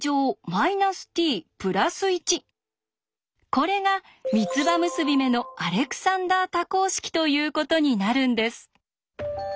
これが三つ葉結び目のアレクサンダー多項式ということになるんです。